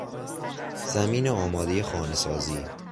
زمین آمادهی خانه سازی